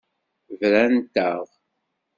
Brant-aɣ.